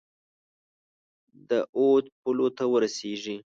د اود پولو ته ورسیږي.